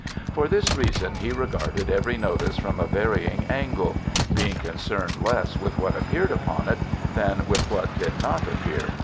For this reason he regarded every notice from a varying angle, being concerned less with what appeared upon it than with what did not appear.